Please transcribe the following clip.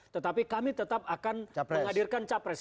tetapi kami tetap akan menghadirkan capres